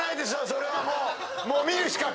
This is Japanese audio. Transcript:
それはもう。